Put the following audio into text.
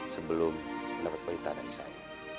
sebelum mendapatkan perintah dari saya